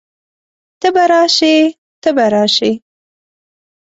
ته به راشئ، ته به راشې